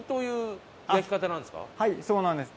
はいそうなんです。